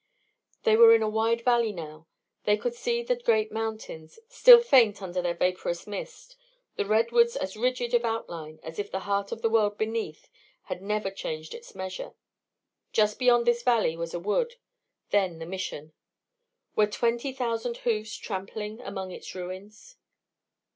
They were in a wide valley now; they could see the great mountains, still faint under their vapourous mist, the redwoods as rigid of outline as if the heart of the world beneath had never changed its measure. Just beyond this valley was a wood, then the Mission. Were twenty thousand hoofs trampling among its ruins?